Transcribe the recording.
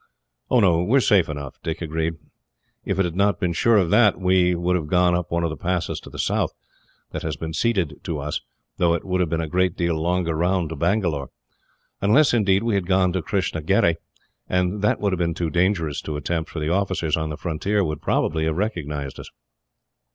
"Oh, no; we are safe enough," Dick agreed. "If I had not been sure of that, we would have gone up one of the passes to the south, that has been ceded to us, though it would have been a great deal longer round to Bangalore unless, indeed, we had gone by Kistnagherry, and that would have been too dangerous to attempt, for the officers on the frontier would probably have recognised us."